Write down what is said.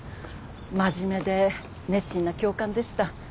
真面目で熱心な教官でした。